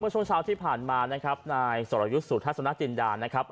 เมื่อช้อนเช้าที่ผ่านมานะครับนายสรยุสุทธสนักจินดานะครับ